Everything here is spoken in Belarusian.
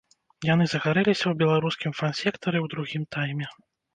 Яны загарэліся ў беларускім фан-сектары ў другім тайме.